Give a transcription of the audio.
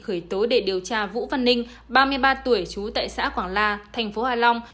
khởi tố để điều tra vũ văn ninh ba mươi ba tuổi chú tại xã quảng la tp hạ long